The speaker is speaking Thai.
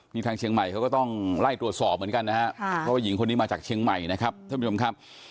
พี่ทางเฉียงใหม่ก็ต้องไล่ตรวจสอบเหมือนกันนะแล้วต่อนี้มาจากเฉียงใหม่นะครับ